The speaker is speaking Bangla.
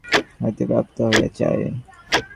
কিন্তু দেহের বীজ পিতামাতার নিকট হইতে প্রাপ্ত হওয়া চাই।